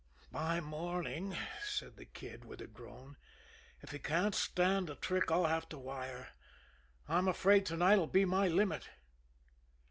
"By morning," said the Kid, with the moan, "if he can't stand a trick I'll have to wire. I'm afraid to night 'll be my limit."